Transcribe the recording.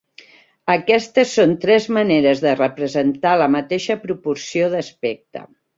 Aquestes són tres maneres de representar la mateixa proporció d'aspecte.